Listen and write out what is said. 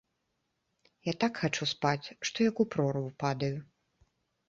Я так хачу спаць, што як у прорву падаю.